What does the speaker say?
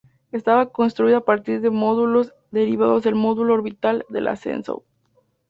Estaba construida a partir de módulos derivados del módulo orbital de la Shenzhou.